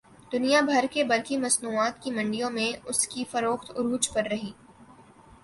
دنیا بھر کی برقی مصنوعات کی منڈیوں میں اس کی فروخت عروج پر رہی